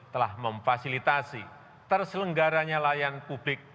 telah memfasilitasi terselenggaranya layanan publik